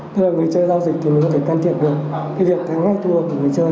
thế là người chơi giao dịch thì có thể can thiệp lệnh thắng hết thua của người chơi